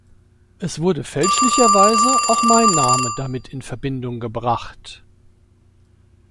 Es wurde fälschlicherweise auch mein Name damit in Verbindung gebracht.